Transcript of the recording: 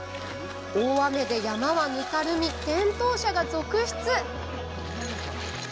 大雨で山はぬかるみ転倒者が続出。